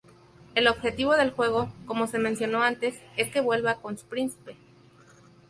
El objetivo del juego, como se mencionó antes, es que vuelva con su príncipe.